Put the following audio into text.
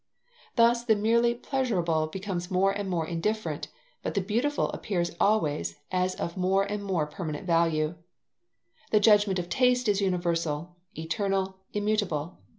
Thus the merely pleasurable becomes more and more indifferent, but the beautiful appears always as of more and more permanent value. The judgment of taste is universal, eternal, immutable.